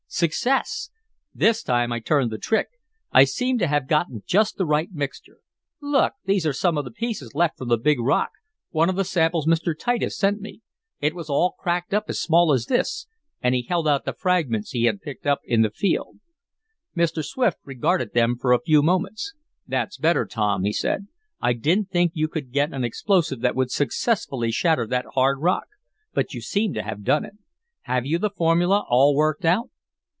Success! This time I turned the trick. I seem to have gotten just the right mixture. Look, these are some of the pieces left from the big rock one of the samples Mr. Titus sent me. It was all cracked up as small as this," and he held out the fragments he had picked up in the field. Mr. Swift regarded them for a few moments. "That's better, Tom," he said. "I didn't think you could get an explosive that would successfully shatter that hard rock, but you seem to have done it. Have you the formula all worked out?"